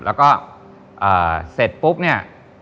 แล้วก็เสร็จปุ๊บเนี่ย